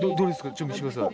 ちょっと見せてください。